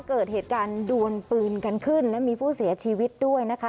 เกิดเหตุการณ์ดวนปืนกันขึ้นและมีผู้เสียชีวิตด้วยนะคะ